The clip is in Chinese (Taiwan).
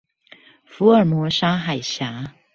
福爾摩沙海峽